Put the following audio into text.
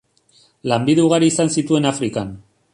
Lanbide ugari izan zituen Afrikan.